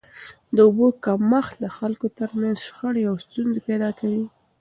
د اوبو کمښت د خلکو تر منځ شخړي او ستونزي پیدا کوي.